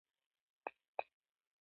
کوږ نیت د عذاب لامل کېږي